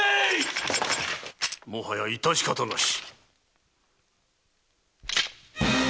もはや致し方なし。